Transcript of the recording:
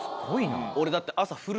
俺だって。